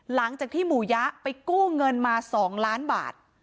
หลังจากที่หมู่ยะไปกู้เงินมา๒ล้านบาท